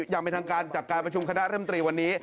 ยังเป็นทางการจับการประชุมคณะเริ่มตรีวันนี้